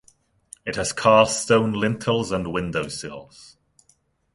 It has cast stone lintels and window sills.